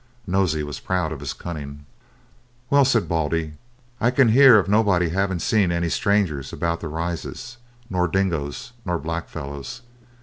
Nosey was proud of his cunning. "Well," said Baldy, "I can hear of nobody having seen any strangers about the Rises, nor dingoes, nor black fellows.